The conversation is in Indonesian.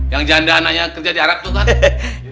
yang janda anaknya kerja di arab tuh kan